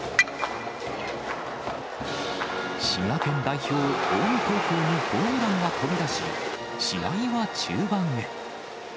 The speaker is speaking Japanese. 滋賀県代表、近江高校にホームランが飛び出し、試合は中盤へ。